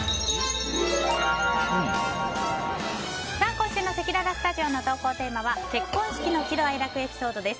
今週のせきららスタジオの投稿テーマは結婚式の喜怒哀楽エピソードです。